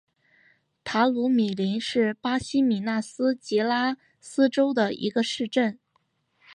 塔鲁米林是巴西米纳斯吉拉斯州的一个市镇。